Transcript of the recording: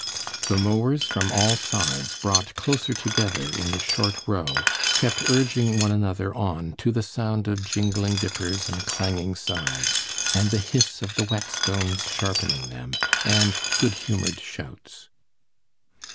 The mowers from all sides, brought closer together in the short row, kept urging one another on to the sound of jingling dippers and clanging scythes, and the hiss of the whetstones sharpening them, and good humored shouts.